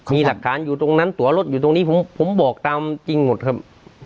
มีหลักฐานอยู่ตรงนั้นตัวรถอยู่ตรงนี้ผมบอกตามจริงหมดครับ